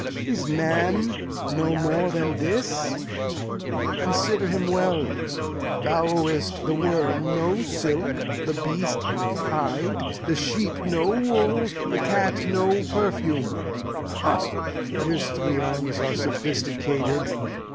Is man no more than this? Consider him well. Thou ow'st the worm no silk, the beast no hide, the sheep no wool, the cat no perfume. Ha! Here's three on's are sophisticated!